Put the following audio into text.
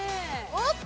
おっと！